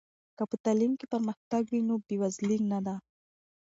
که په تعلیم کې پرمختګ وي، نو بې وزلي نه ده.